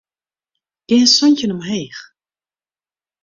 Gean santjin omheech.